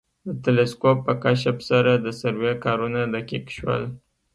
د تلسکوپ په کشف سره د سروې کارونه دقیق شول